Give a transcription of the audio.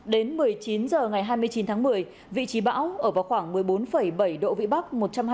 đến một mươi chín h ngày hai mươi chín tháng một mươi vị trí bão ở vào khoảng một mươi bốn bảy độ vĩ bắc